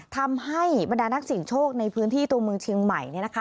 ทำให้บรรดานักเสี่ยงโชคในพื้นที่ตัวเมืองเชียงใหม่